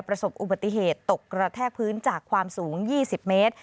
ประสบอุบัติเหตุตกกระแทกพื้นจากความสูง๒๐เมตร